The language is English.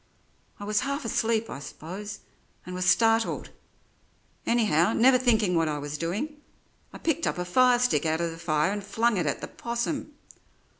I was half asleep, I suppose, and was startled; anyhow, never thinking what I was doing, I picked up a firestick out of the fire and flung it at the 'possum.